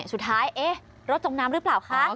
สุดท้ายรถจมน้ำหรือเปล่าคะ